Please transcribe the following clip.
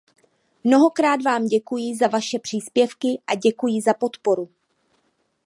Mnohokrát vám děkuji za vaše příspěvky a děkuji za podporu.